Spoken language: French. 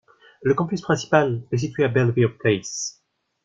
Le campus principal est situé à Belevere place.